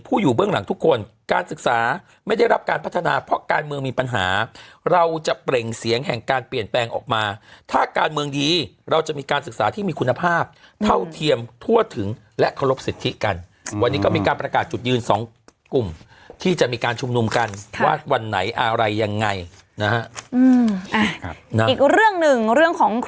อยู่เบื้องหลังทุกคนการศึกษาไม่ได้รับการพัฒนาเพราะการเมืองมีปัญหาเราจะเปล่งเสียงแห่งการเปลี่ยนแปลงออกมาถ้าการเมืองดีเราจะมีการศึกษาที่มีคุณภาพเท่าเทียมทั่วถึงและเคารพสิทธิกันวันนี้ก็มีการประกาศจุดยืนสองกลุ่มที่จะมีการชุมนุมกันว่าวันไหนอะไรยังไงนะฮะ